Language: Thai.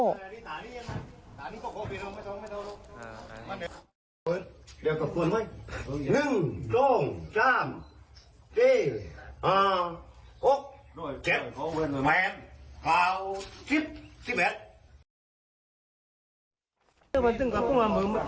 เดี๋ยวกับคุณไหมหนึ่งสองสามสี่อ่าวหก